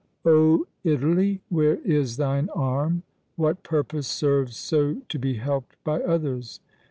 Oh, Italy! where is thine arm? What purpose serves So to be helped by others?